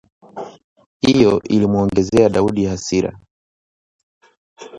Hiyo ilimuongezea Daudi hasira